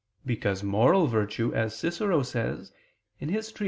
Because moral virtue, as Cicero says (De Invent.